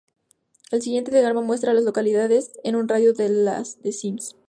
El siguiente diagrama muestra a las localidades en un radio de de Sims.